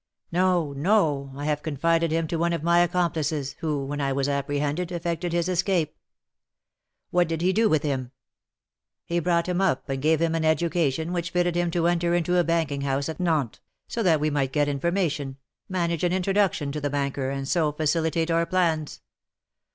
"No, no! I have confided him to one of my accomplices, who, when I was apprehended, effected his escape." "What did he do with him?" "He brought him up, and gave him an education which fitted him to enter into a banking house at Nantes, so that we might get information, manage an introduction to the banker, and so facilitate our plans.